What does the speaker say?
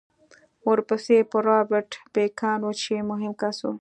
ورپسې به رابرټ بېکان و چې مهم کس و